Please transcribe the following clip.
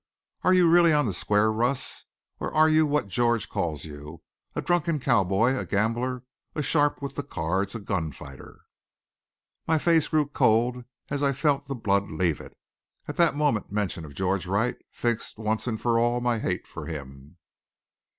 Are you really on the square, Russ? Or are you what George calls you a drunken cowboy, a gambler, sharp with the cards, a gun fighter?" My face grew cold as I felt the blood leave it. At that moment mention of George Wright fixed once for all my hate of him.